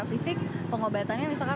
fisik pengobatannya misalkan